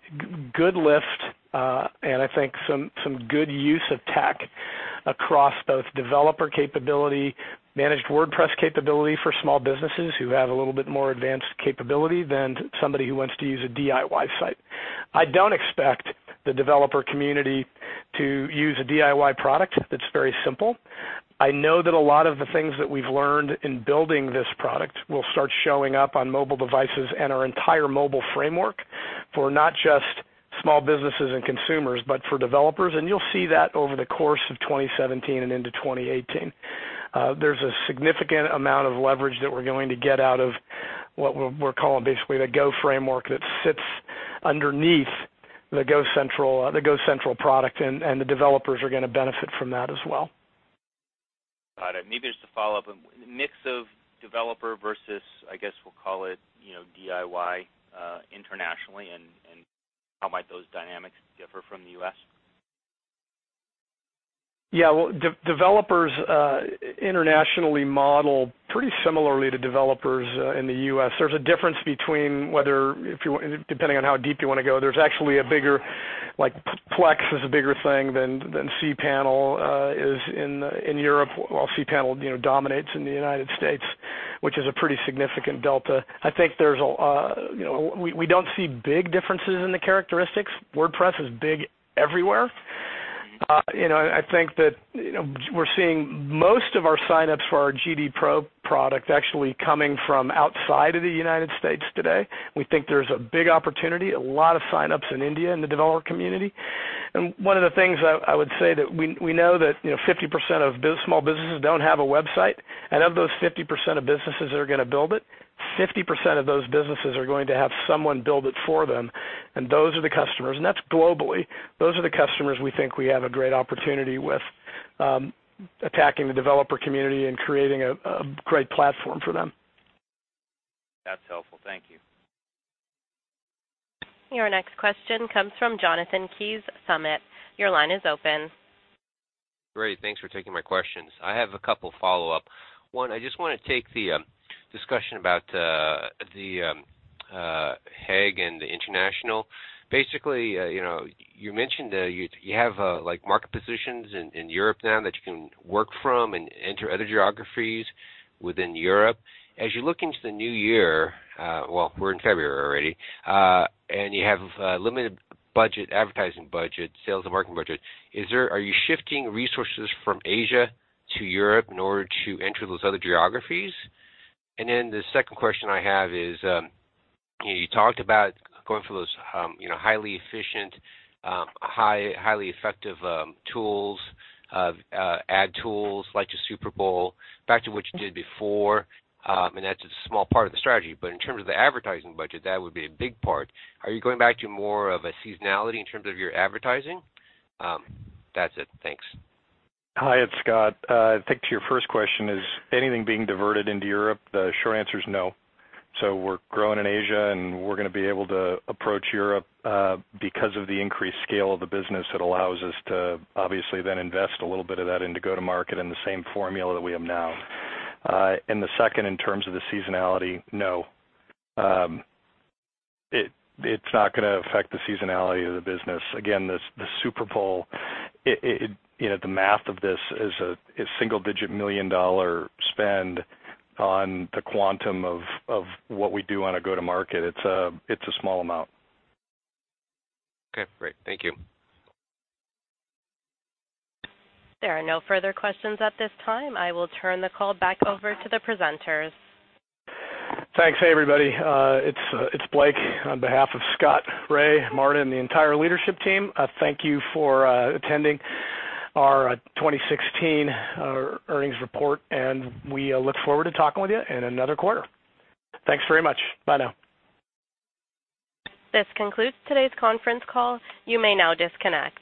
good lift, and I think some good use of tech across both developer capability, managed WordPress capability for small businesses who have a little bit more advanced capability than somebody who wants to use a DIY site. I don't expect the developer community to use a DIY product that's very simple. I know that a lot of the things that we've learned in building this product will start showing up on mobile devices and our entire mobile framework for not just small businesses and consumers, but for developers, and you'll see that over the course of 2017 and into 2018. There's a significant amount of leverage that we're going to get out of what we're calling basically the Go framework that sits underneath the GoCentral product. The developers are going to benefit from that as well. Got it. Maybe just to follow up, mix of developer versus, I guess we'll call it, DIY internationally. How might those dynamics differ from the U.S.? Developers internationally model pretty similarly to developers in the U.S. There's a difference between whether, depending on how deep you want to go. There's actually a bigger, like Plesk is a bigger thing than cPanel is in Europe. While cPanel dominates in the United States, which is a pretty significant delta. I think we don't see big differences in the characteristics. WordPress is big everywhere. I think that we're seeing most of our signups for our GoDaddy Pro product actually coming from outside of the United States today. We think there's a big opportunity, a lot of signups in India in the developer community. One of the things I would say that we know that 50% of small businesses don't have a website. Of those 50% of businesses that are going to build it, 50% of those businesses are going to have someone build it for them, and those are the customers. That's globally. Those are the customers we think we have a great opportunity with. Attacking the developer community and creating a great platform for them. That's helpful. Thank you. Your next question comes from Jonathan Keyes, Summit. Your line is open. Great. Thanks for taking my questions. I have a couple of follow-up. One, I just want to take the discussion about HEG and the international. Basically, you mentioned that you have market positions in Europe now that you can work from and enter other geographies within Europe. The second question I have is, you talked about going for those highly efficient, highly effective tools, ad tools like the Super Bowl, back to what you did before, and that's a small part of the strategy, but in terms of the advertising budget, that would be a big part. Are you going back to more of a seasonality in terms of your advertising? That's it. Thanks. Hi, it's Scott. I think to your first question, is anything being diverted into Europe? The short answer is no. We're growing in Asia, and we're going to be able to approach Europe because of the increased scale of the business that allows us to obviously then invest a little bit of that into go-to-market in the same formula that we have now. The second, in terms of the seasonality, no. It's not going to affect the seasonality of the business. Again, the Super Bowl, the math of this is a single-digit million-dollar spend on the quantum of what we do on a go-to-market. It's a small amount. Okay, great. Thank you. There are no further questions at this time. I will turn the call back over to the presenters. Thanks. Hey, everybody. It's Blake. On behalf of Scott, Ray, Marta, and the entire leadership team, thank you for attending our 2016 earnings report, and we look forward to talking with you in another quarter. Thanks very much. Bye now. This concludes today's conference call. You may now disconnect.